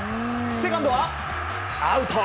セカンドはアウト！